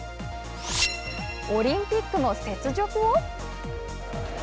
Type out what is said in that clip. オリンピックの雪辱を。